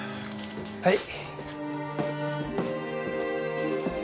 はい。